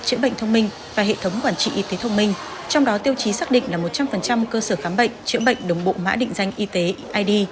chữa bệnh thông minh và hệ thống quản trị y tế thông minh trong đó tiêu chí xác định là một trăm linh cơ sở khám bệnh chữa bệnh đồng bộ mã định danh y tế id